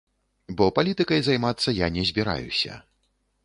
Бо палітыкай займацца я не збіраюся.